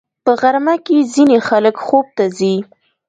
په غرمه کې ځینې خلک خوب ته ځي